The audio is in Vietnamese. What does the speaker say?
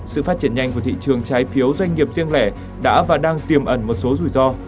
sự phát triển nhanh của thị trường trái phiếu doanh nghiệp riêng lẻ đã và đang tiềm ẩn một số rủi ro